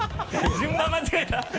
順番間違えた